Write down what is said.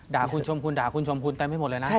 ด่าคุณชมคุณด่าคุณชมคุณเต็มไปหมดเลยนะ